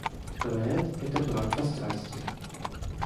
Говорят, это брак по страсти.